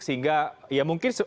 sehingga ya mungkin